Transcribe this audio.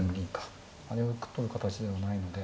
あれを取る形ではないので。